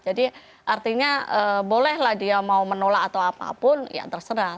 jadi artinya bolehlah dia mau menolak atau apapun ya terserah